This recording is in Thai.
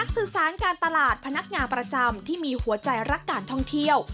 สื่อสารการตลาดพนักงานประจำที่มีหัวใจรักการท่องเที่ยว